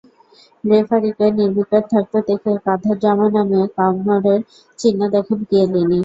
রেফারিকে নির্বিকার থাকতে দেখে কাঁধের জামা নামিয়ে কামড়ের চিহ্ন দেখান কিয়েলিনি।